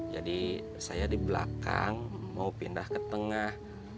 jadi saya di belakang mau pindah ke tengah